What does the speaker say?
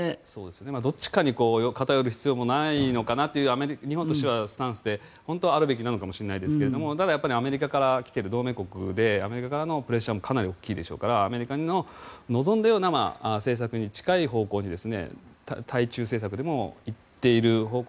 どちらかに偏る必要もないのかなという日本としてはスタンスで本当はあるべきかもしれないですがただ、アメリカから来ている同盟国でアメリカからのプレッシャーもかなり大きいでしょうからアメリカが望んだような政策に近い方向に対中政策でもいっている方向